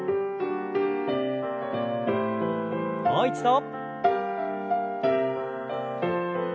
もう一度。